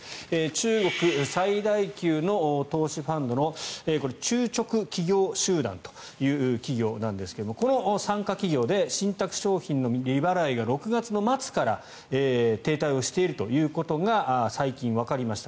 中国最大級の投資ファンドの中植企業集団という企業なんですがこの傘下企業で信託商品の利払いが６月末から停滞をしているということが最近わかりました。